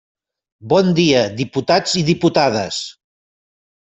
Bon dia, diputats i diputades.